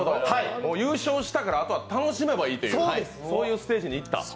優勝したから、あとで楽しめばいいというステージにいったと。